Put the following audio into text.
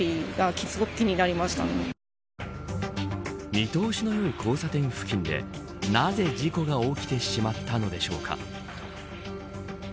見通しの良い交差点付近でなぜ事故が起きてしまったのでしょうか。